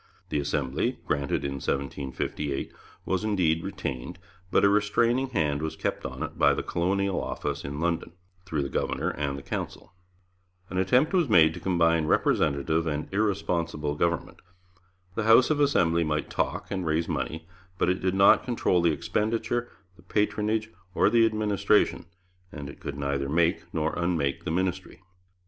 The Assembly, granted in 1758, was indeed retained, but a restraining hand was kept on it by the Colonial Office in London, through the governor and the Council. An attempt was made to combine representative and irresponsible government. The House of Assembly might talk, and raise money, but it did not control the expenditure, the patronage, or the administration, and it could neither make nor unmake the ministry.